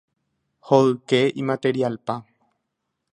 hoyke imaterialpa.